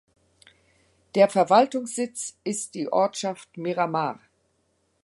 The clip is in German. Der Verwaltungssitz ist die Ortschaft Miramar.